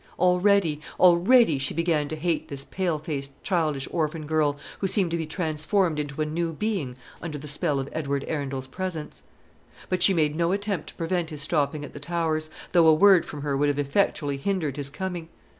Already, already she began to hate this pale faced, childish orphan girl, who seemed to be transformed into a new being under the spell of Edward Arundel's presence. But she made no attempt to prevent his stopping at the Towers, though a word from her would have effectually hindered his coming.